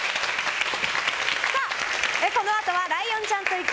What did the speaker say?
このあとはライオンちゃんと行く！